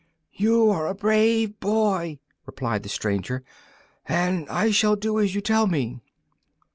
"You are a brave boy," replied the stranger, "and I shall do as you tell me."